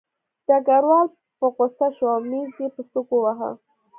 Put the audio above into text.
ډګروال په غوسه شو او مېز یې په سوک وواهه